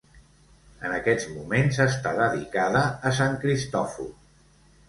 En aquests moments està dedicada a Sant Cristòfor.